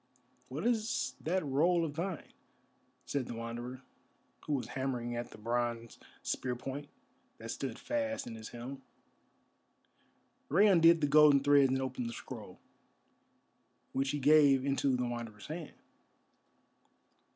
"What is that roll of thine?" said the Wanderer, who was hammering at the bronze spear point, that stood fast in his helm. Rei undid the golden threads and opened the scroll, which he gave into the Wanderer's hand.